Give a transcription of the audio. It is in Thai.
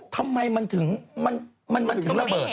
ทำไมมันถึงระเบิด